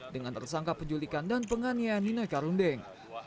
dengan tersangka penculikan dan penganiayaan nino karundeng